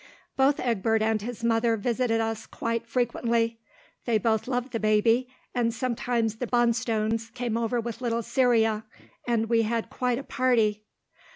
Both Egbert and his mother visited us quite frequently. They both loved the baby, and sometimes the Bonstones came over with little Cyria, and we had quite a party.